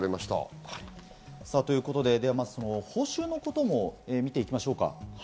ということで、まず報酬のことも見ていきましょうか。